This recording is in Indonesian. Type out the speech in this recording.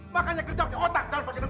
makanya kerja ke otak jangan pakai nebuk